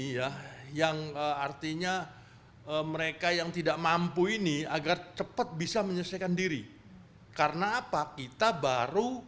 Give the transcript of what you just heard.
ya yang artinya mereka yang tidak mampu ini agar cepat bisa menyelesaikan diri karena apa kita baru